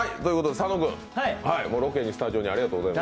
佐野君、ロケに、スタジオにありがとうございます。